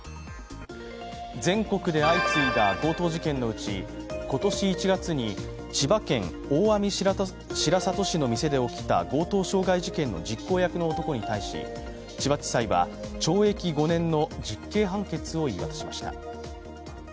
全国で相次いだ強盗事件のうち今年１月に千葉県大網白里市の店で起きた強盗傷害事件の実行役の男に対し千葉地裁は懲役５年の実刑判決を言い渡しました。